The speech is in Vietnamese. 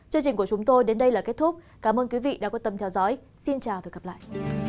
chương trình của chúng tôi đến đây là kết thúc cảm ơn quý vị đã quan tâm theo dõi xin chào và hẹn gặp lại